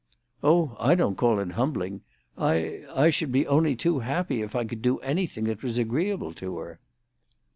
"Oh, I don't call it humbling. I—I should only be too happy if I could do anything that was agreeable to her."